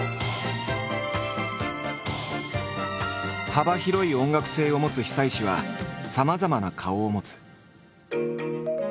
幅広い音楽性を持つ久石はさまざまな顔を持つ。